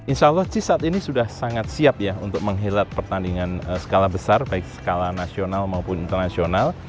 insya allah jis saat ini sudah sangat siap untuk menghilat pertandingan skala besar baik skala nasional maupun internasional